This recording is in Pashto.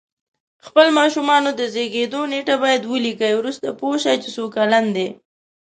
خپل ماشومانو د زیږېدو نېټه باید ولیکئ وروسته پوه شی چې څو کلن دی